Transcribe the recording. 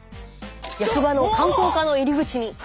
役場の観光課の入り口に。